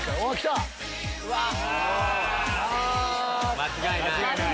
間違いない！